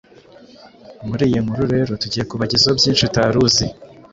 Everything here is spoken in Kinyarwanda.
muri iyi nkuru rero tugiye kubagezaho byinshi utari uzi